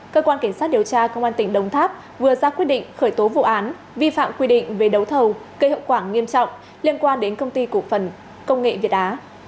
cơ quan cảnh sát điều tra công an tỉnh đồng tháp vừa ra quyết định khởi tố vụ án vi phạm quy định về đấu thầu gây hậu quả nghiêm trọng liên quan đến công ty cổ phần công nghệ việt á